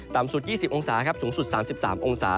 ต่ำสุด๒๐องศาสูงสุด๓๓องศา